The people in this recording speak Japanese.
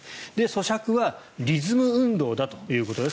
そしゃくはリズム運動だということです。